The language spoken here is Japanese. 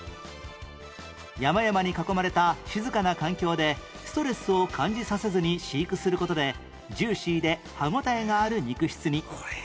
山々に囲まれた静かな環境でストレスを感じさせずに飼育する事でジューシーで歯応えがある肉質に